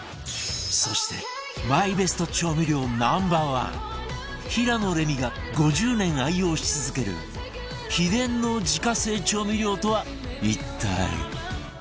そしてマイベスト調味料 Ｎｏ．１ 平野レミが５０年愛用し続ける秘伝の自家製調味料とは一体？